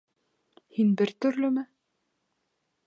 Һин бер төрлөмө?